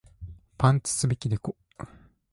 パンツ積み木猫